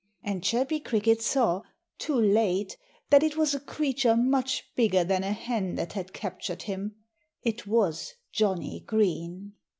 And Chirpy Cricket saw, too late, that it was a creature much bigger than a hen that had captured him. It was Johnnie Green!